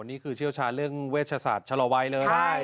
เชี่ยวชาญเรื่องเวชศาสตร์ชะลอวัยเลย